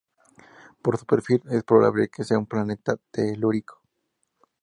Por su perfil, es probable que sea un planeta telúrico.